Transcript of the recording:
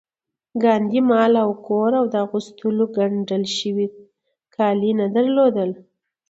ګاندي مال او کور او د اغوستو ګنډل شوي کالي نه درلودل